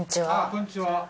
こんにちは。